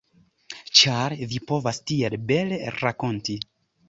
Ĉar vi povas tiel bele rakonti.